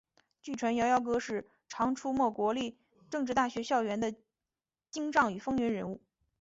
据传摇摇哥是常出没国立政治大学校园的精障与风云人物。